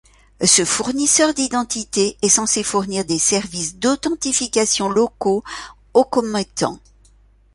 Ce fournisseur d'identité est censé fournir des services d'authentification locaux au commettant.